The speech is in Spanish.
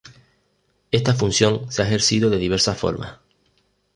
Esta función se ha ejercido de diversas formas.